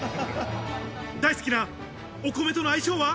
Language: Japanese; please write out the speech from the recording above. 大好きなお米との相性は。